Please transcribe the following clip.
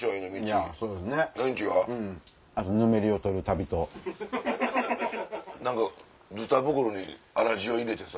あとぬめりを取る旅と。ずた袋に粗塩入れてさ。